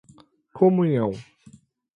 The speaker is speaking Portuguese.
comunhão